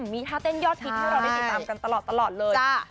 มีท่าเต้นยอดฮิตให้เราได้ติดตามกันตลอดเลย